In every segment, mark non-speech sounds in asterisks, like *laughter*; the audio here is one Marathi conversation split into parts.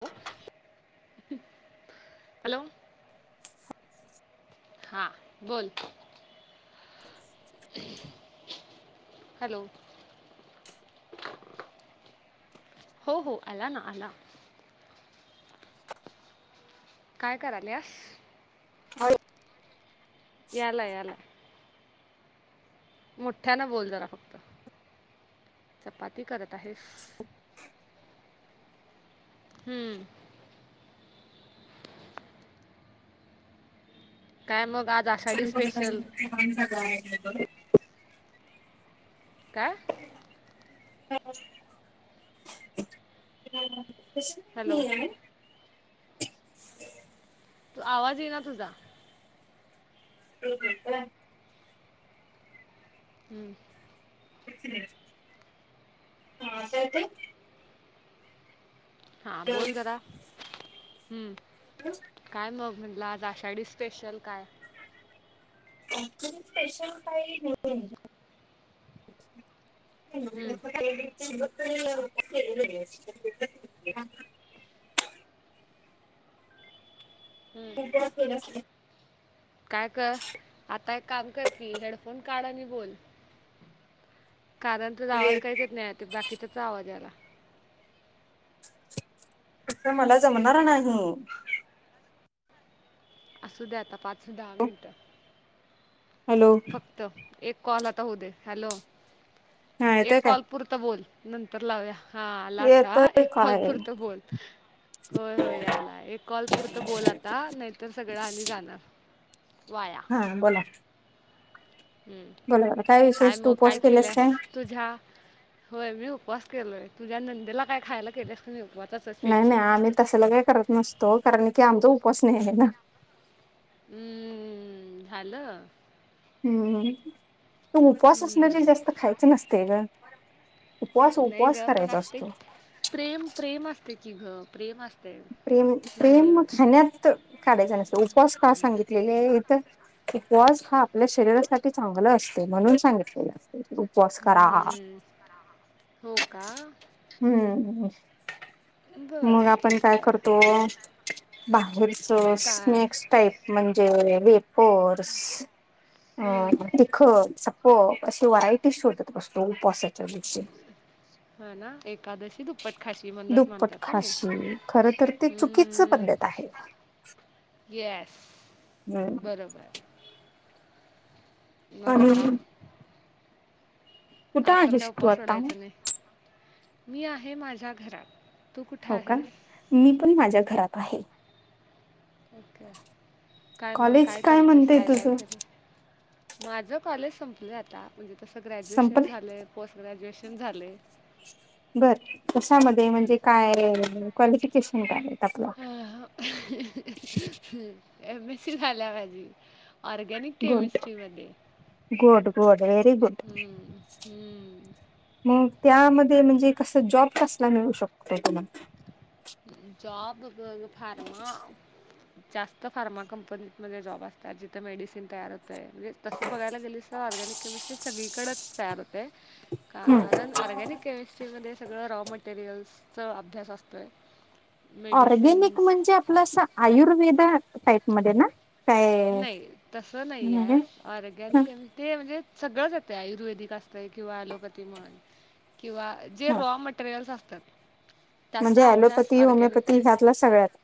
*unintelligible* हॅलो! हां बोल. *inaudible* हॅलो! हो- हो आला ना आला. *inaudible* काय करायल्यास? *inaudible* यालाय यालाय. मोठ्यान बोल जरा फक्त, चपाती करत त आहेस हम्म. काय मग आज आषाढी तर ते स्पेशल? *unintelligible* काय? *unintelligible* हॅलो *unintelligible* तू आवाज येईना तुझा. *unintelligible* हम्म. हा आता येतोय. हा बोल जरा हम्म. हॅलो!... काय मग म्हणलं आज आषाढी स्पेशल काय? आषाढी स्पेशल काही नाही. हम्म, *unintelligible* मला.. हम्म, ख फ *inaudible* काय कर आता एक काम कर की हेडफोन काढ आणि बोल. कारण तुझा हे आवाज काहीचेत नाही ते बाकीचा आवाज आला तं मला जमणार नाहीमग. असू द्या आता पाच दहा मिनटं. हॅलो... एक कॉल आता हो दे हॅलो, हा येतोय एक काय? कॉल. पुरत बोल नंतर लावू या हाआता येतोय एक कॉल काय? पुरत बोल. होय होय यायला एक कॉल पुरत बोल आता नाहीतर सगळं आम्ही जाणं वाया. हा बोला... हम्म बोला बोला काय विशेष तू मग काय उपवास केलेस केलया काय? तुझ्या. होय मी उपवास केलोय तुझ्या नंदेला काय खायला केलेस. व *inaudible* नाही नाही आम्ही तसला काही करत नसतो कारण की आमचा उपास नाही आहे ना. हम् हॅलो... हम्म त उपास असणाल्यावर हम्म. जास्त खायचं नसते ग. उपवास नाही उपवास ग पण करायचा असते असतो. की. प्रेम प्रेम असते कि ग प्रेम असते. प्रेम प्रेम नंदेवर खाण्यात काढायचं नसत उपवास का सांगितलेले इथं. उपवास हा आपल्या शरीरासाठी चांगला असते म्हणून सांगितलेला. उपवास करा. हम्म. हो का हम्म... बरं ठीक आहे. करतोबा बाहेरच काय स्नेक्स टाईप. म्हणजे वेपर्स अ हम्म, तिखट. हो अशी व्हरायटी शोधत मस्तो उपासाच्या दिवशी. हा ना एकादशी दुप्पट. खाची मनच दुप्पट मानतात का नाही खाशी खर तर ते चुकीच हम्म. पद्धत आहे गॅस.. हम.... बरोबर.. मघ आता.... आणि कुठं आज तर काय आहेस तू उपास आता? सोडायच नाही मी आहे माझ्या घरात. तू कुठं हो का आहेस मी पण माझ्या घरात आहे. ओके काय मग कॉलेज काय करतेस म्हणतेय काय तुझं केलीस. माझं कॉलेज संपलं आता म्हणजे तसं ग्रॅज्युएशन संपले? झाले पोस्ट ग्रॅज्युएशन झालंय. बर कशामध्ये म्हणजे काय क्वालिफिकेशन काय आहेत आपलं. एम एससी झाल माझे. ऑर्गॅनिक केमिस्ट्रीमध्ये गोड गोड वेरी गुड हम्म. मग त्यामध्ये म्हणजे कसं जॉब कसला मिळू शकतोय तुला? जॉब गं फारमा जास्त फार्मा कंपनीमध्ये जॉब असतात जिथे मेडिसिन तयार हो तसं बघायला गेलस तरऑर्गनिक केमिस्ट्री सगळीकडेच तयार होतय, हम्म. कारण ऑर्गॅनिक केमिस्ट्रीमध्ये सगळं रॉ मटेरियलचा अभ्यास असतोय. ऑरगॅनिक मेडिसिन्स म्हणजे आपलं आयुर्वेदा टाईपमध्ये ना? काय नाही, तसं नाही म्हणजे हाय, ह ऑर्गॅनिक ते म्हणजे सगळंच येतय,, आयुर्वेदिक असतें किंवा ॲलोपॅथी म्हण,, किंवा जे ह रॉ मटेरियल्स असतात. म्हणजे त्याचा अभ्यास ऍलोपॅथी, ऑर्गॅनिक होमिओपॅथी ह्यातला सगळ्यात.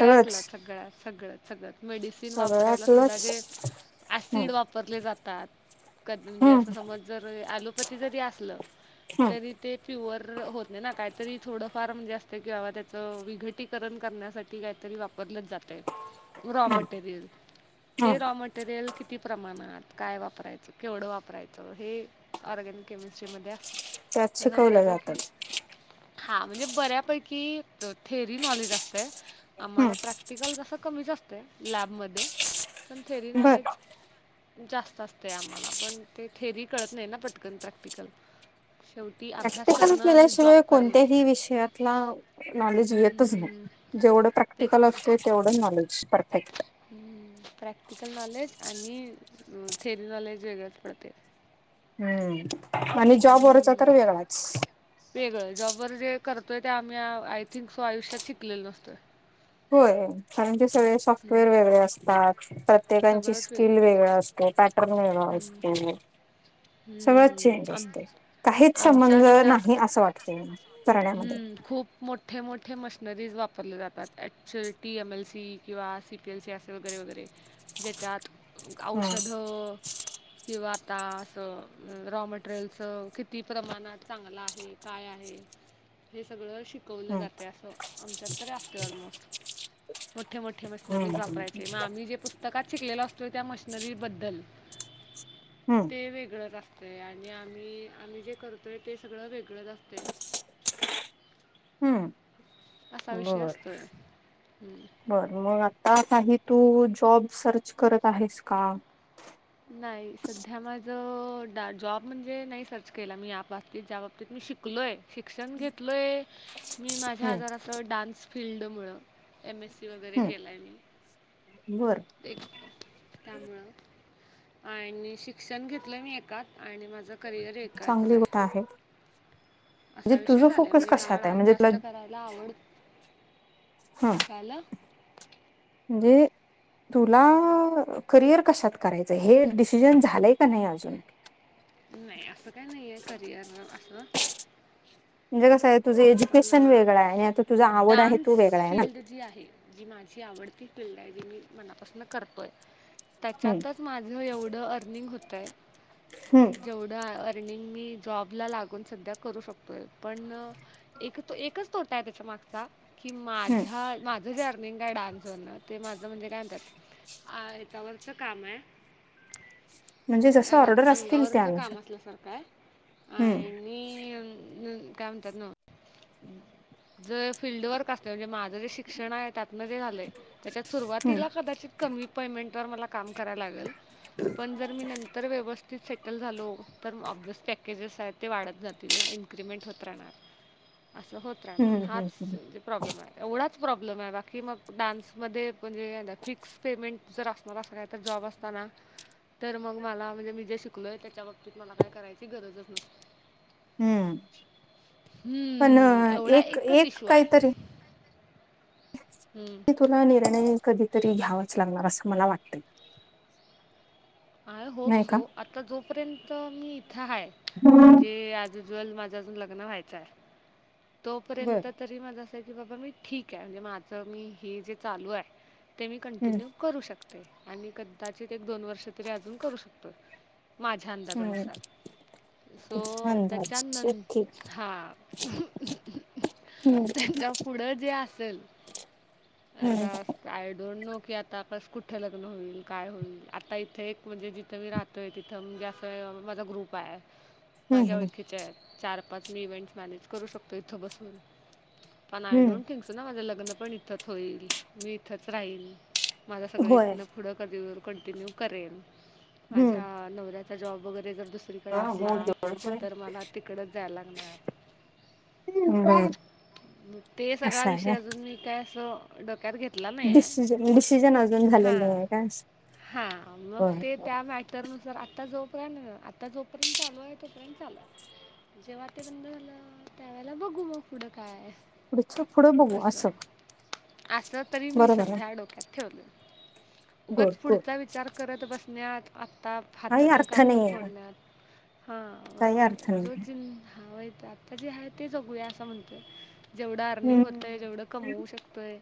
सगळंच सगळ्यात सगळं सगळं, मेडिसिन वापरायला सुद्धा जे सगळ्यातलंच हम्म ऍसिड वापरले जातात म्हणजे असं हम्म समज जर ऍलोपॅथी जरी असलं,, हम्म. तरी ते प्युवर होत नाही ना, काहीतरी थोडफार म्हणजे असतं किं बाबा त्याच, विघटित करण्यासाठी काहीतरी वापर जातय,, रॉ मटेरियल, ते रॉ म मटेरियल किती प्रमाणात, काय वापरायचं, केवढं वापरायचं, हे ऑर्गॅनिक केमिस्ट्रीमध्ये असतं,, त्यात तेचं शिकवलं जातं बऱ्यापैकी हा,, म्हणजे बऱ्यापैकी थेरी नॉलेज असतय,, हम्म आम्हाला प्रॅक्ट प्रॅक्टिकल तसं कमीच असतय, लॅबमध्ये, पण थेरी बर नॉलेज जास्त असतय आम्हाला,, पण ते थेरी कळत नाही ना पटकन प्रॅक्टिकल शेवटी अभ्यास प्रॅक्टिकली करणं आणि जॉब केल्याशिवाय करणं. कोणत्याही विषयातला,, नॉलेज येतच नाही. हम्म, जेवढं तेच प्रॅक्टिकल की. असतय, तेवढं नॉलेज परफेक्ट. प्रॅक्टिकल नॉलेज आणि थेरी नॉलेज वेगळच पडतेय. हम्म आणि जॉब वरचा हम्म, तर वेगळाच. वेगळं, जॉब वर जे करतोय ते आम्ही आय थिंक सो आयुष्यात शिकलेलो नसतोय. होय,, कारण ते सगळे सॉफ्टवेअर हं, वेगळे असतात परतेकांची सगळंच स्किल वेगळं. वेगळा असतेय, पॅटर्न हम्म असतोय. सगळंत हम्म चेंज आम असतय,, काहीच आमच्या संबंध ह्याच्यात नाही असं वाटतय मला. हम्म खूप मोठे मोठे मशनरीज वापरले जातात, H T M L C किंवा सी पी एल सी असे वगैरे वगैरे,, ज्याच्यात हम्म औषधं किंवा तास रॉ मटेरियलचं किती प्रमाणात चांगलं आहे? काय आहे? हे सगळं शिकवलं हम्म जातय असं, आमच्यात तरी असते ऑलमोस्ट. मोठे मोठे मशनरीज हम्म वापरायचे,, मग आम्ही जे पुस्तकात शिकलेलो असतोय त्या मशनरी बद्दल हम्म. ते वेगळंच असतय आणि आम्ही, आम्ही जे करत तर ते सगळं वेगळंच असतय. हम्म असा विषय बर असतोय, हम्म. बर,, मग आता काही तू जॉब सर्च करत आहेस का? नाही सध्या माझं, जॉब म्हणजे नाही सर्च केला मी याबाबतीत ज्या बाबतीत मी शिकलोय शिक्षण घेतलोय, मी माझ्या हम्म आजार असं डान्स फिल्ड मुळं एमएससी वगैरे केलाय मी. बरं तेच त्यामुळं आणि शिक्षण घेतलंय मी ऐकात आणि माझं करिअर एकातच चांगली हाय. गोष्ट आहे असा म्हणजे विषय तुझं झालाय फोकस म्हणजे मला कशात आहे डान्स म्हणजे तुला जास्त करायला आवड हम्म झाल? म्हणजे तुला करिअर कशात करायचंय, हे डिसिजन झालंय का नाही अजून? नाही असं काय नाहीये करिअर अस म्हणजे कसं आहे तुझं एज्युकेशन वेगळं आहे, आणि आता तुझा आवड आहे डान्स तो वेगळा आहे ना, फील्ड जी माझी आवडती फिल्ड आहे जी मी मनापासून करतोय हम्म त्याच्यातच माझं एवढं अर्निंग होतंय, हम्म जेव द अर्निंग मी जॉबला लागून सुधा करू शकतोय पण एक तो एकच तोटा आहे त्याच्या मागचा कि हम्म माझ्या माझ तुझे अर्निंग काय डान्स *unintelligible* ते माझं म्हणजे काय म्हतात आणि जवळच काम हे म्हणजे काय जसं म्हणतात ते ऑर्डर असतील अंगावरच काम त्यानुसार असल्यासारखं आहे, हम्म आणि मी उम काय म्हणतात ना जर फिल्ड वर्क असले म्हणजे मा शिक्षण आहे त्यातन जे झालंय त्याच्यात हम्म सुरुवातीला कमी पेमेंटवर मला काम करायला लागलं, पण जर मी नतंर व्यवस्थित त सेटल झालो तर ऑब्वियस पॅकेजेस आहेत ते वाढत जातील ना इन्क्रीिमेंट होत राहणार असं होत राहनार हम्म हाच हम्म हम्म जे प्रॉब्लेम आहे, एवढाच प्रॉब्लेम आहे, बाकी मग डान्समध्ये म्हणजे आता फिक्स पेमेंट जर असणार असं काय तर जॉब असंत ना तर मग मला मी जे शिकलोय त्याच्या बाबतीत मला काय करायची गरजच नसते हम्म पण हम्म, एवढा एक एकच एक इशू आहे काहीतरी हम्म. ते तुला निर्णय कधीतरी घ्यावाच लागणार, असं मला वाटतय आय होप नाही का सो आता जोपर्यंत मी इथं आहेाय म्हणजे आ *unintelligible* माझं अजून लग्न व्हायच आहे बर तोपर्यंत तरी माझ असं आहे की बाबा मी ठीक आहे, म्हणजे माझं मी हे जे चालू आहे ते मी हम्म कंटिन्यू करू शकते, आणि कदाचित एक दोन वर्ष तरी अजून करू शकतोय माझ्या हम्म अंदाजानुसार सो अंदाज ओके त्याच्यानंत हा हम्म त्यांच्या पुढं जे असेल, आता हम्म आय डोंट नो की आतास कुठे लग्न होईल काय होईल आता इथे एक म्हणजे जिथं मी राह तो तिथं हम्म म्हणजे माझा ग्रुप हाय माझ्या हम्म ओळखीच्या आहेत चार पाच मी इव्हेंट्स मॅनेज करू शकतो इथं बसून पण आय हम्म डोंट थिंक स ना माझं लग्न पण इथंच होईल, मी इथंच राहील माझं सगळं होय इथनं पुढं क कंटिन्यू करेल, माझ्या नवऱ्या चा जॉब वगैरे जर दुसरीकड असला तर मला तिकडंच जायला लागणार बर म ते सगळा असं आहे विषय का अजून मी काय असं डोक्यात घेतला नाही आहे, डिसिजन डिसिजन अजून हा झालेलं नाही का हा मग ते त्या मॅ तर नुसार. आत्ता जोपर्यंत आत्ता जोपर्यंत चालू ए तोपर्यंत चालु हाय. जेव्हा ते बंद झालं. त्यावेळेला बघू मग पुढं काय. पुढच पुढं बघू असं. आसं तरी मी बरोबर आहे सध्या डोक्यात ठेवलय. गुड उगाच गुड पुढचा विचार करत बसण्यात आत्ता काही हातातलं अर्थ काम पण नाही आहे सोडण्यात- हां. काही अर्थ जो नाही *unintelligible* आत्ता जे आहे ते जगूया असं म्हणतोय. जेवढं अर्निंग होतंय. हम्म जेवढं कमवू शकतोय.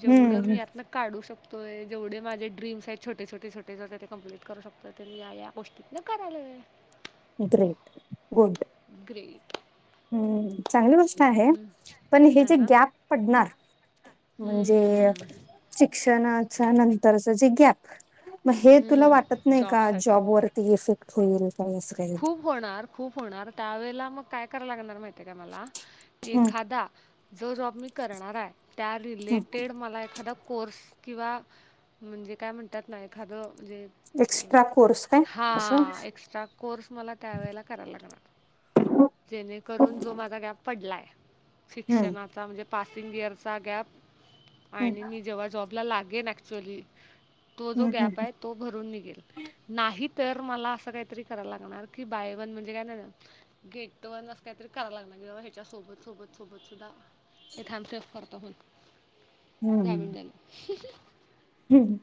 जेवढं मी हम्म यातन- काढू शकतोय. जेवढे माझे ड्रीमर्स आहेत छोटे छोटे छोटे छोटे सगळे ते कंप्लिट करू शकतोय. तर मी या या - गोष्टतन करायलोय. ग्रेट. गुड. ग्रेट. हम्म. चांगली गोष्ट आहे. पण हे हां जे ना गॅप पडणार- म्हणजे शिक्षणाच्या नंतरच जे गॅप- म हे तुला वाटत नाही का जॉबसाठी जॉबवरती इफेक्ट होईल काही अस. खूप होणार. खूप होणार. त्यावेेळेला मग काय कराव लागणार माहितीय का मला- हम्म एखादा. जो जॉब मी करणार आहे. त्या हम्म रिलेटेड मला एखादा कोर्स- किंवा म्हणजे काय म्हणतात ना? एखाद म्हणजे एक्स्ट्रा कोर्स काय - असं हां. एक्स्ट्रा. फर्ड्स मला त्यावेळेला कराव लागणार. जेणेकरून जो माझा गॅप पडलाय- हम्म शिक्षणाचा म्हणजे पासिंग इयरचा गॅप हम्म आणि मी जेव्हा जॉब- -ला लागेन ऍक्च्युअली. तो जो हम्म हम्म गॅप आहे- तो भरून निघेल. नाही तर मला असं काहीतरी करायला लागणार की बाय वन म्हणजे काय ना- गेट वन अस काय तरी कराव लागणार. की ते ह्याच्या सोबत सोबत सोबत सुद्धा- *unintelligible* दहा मिनटांनी हम.